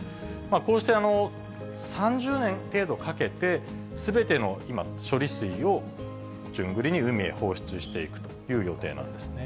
こうして３０年程度かけて、すべての今、処理水を順繰りに海へ放出していくという予定なんですね。